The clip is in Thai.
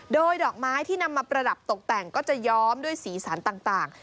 โดยดอกไม้ที่นำมาประดับตกแต่งก็จะย้อมด้วยสีสันต่าง